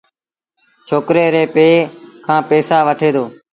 ڇوڪري ري پي کآݩ پئيٚسآ وٺي دو۔